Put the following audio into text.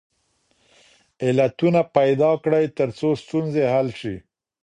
علتونه پیدا کړئ ترڅو ستونزې حل سي.